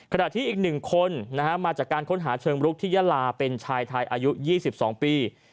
ขณะที่อีก๑คนมาจากการค้นหาเชิงรุกที่ยาลาเป็นชายไทยอายุ๒๒ปี